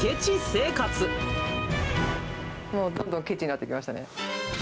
もうどんどんケチになっていきましたね。